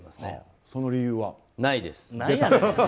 その理由は？ないです。